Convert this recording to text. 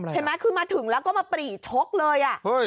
เห็นไหมคือมาถึงแล้วก็มาปรีชกเลย